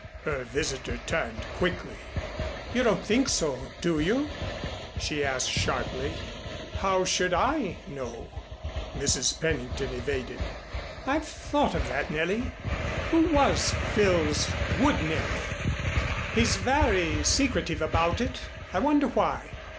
Her visitor turned quickly. "You don't think so, do you?" she asked sharply. "How should I know?" Mrs. Pennington evaded. "I've thought of that, Nellie. Who was Phil's wood nymph? He's very secretive about it. I wonder why."